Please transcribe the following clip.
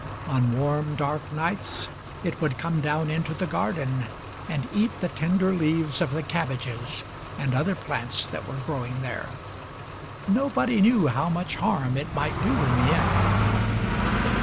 On warm, dark nights it would come down into the garden and eat the tender leaves of the 64 THIRTY MORE FAMOUS STORIES cabbages and other plants that were growing there. Nobody knew how much harm it might do in the end.